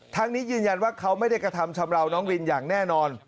ทั้งนี้ยืนยันว่าเขาไม่ได้กระทำชำราวน้องวินอย่างแน่นอน